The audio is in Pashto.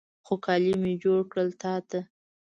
خو، کالي مې جوړ کړل تا ته